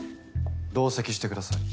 同席してください。